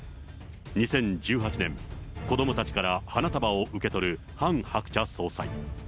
２０１８年、子どもたちから花束を受け取るハン・ハクチャ総裁。